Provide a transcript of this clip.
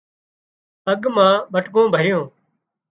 پڳ مان ٻٽڪُون ڀريون